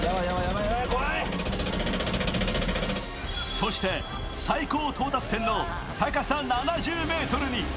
そして、最高到達点の高さ７０ｍに。